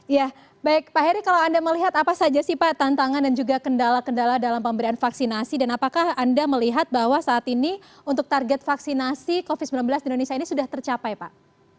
ya baik pak heri kalau anda melihat apa saja sih pak tantangan dan juga kendala kendala dalam pemberian vaksinasi dan apakah anda melihat bahwa saat ini untuk target vaksinasi covid sembilan belas di indonesia ini sudah tercapai pak